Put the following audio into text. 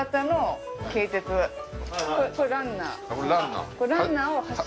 これランナー？